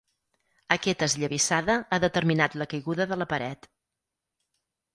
Aquesta esllavissada ha determinat la caiguda de la paret.